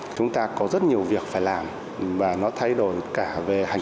chúng ta có rất nhiều việc phải làm và nó thay đổi cả về hành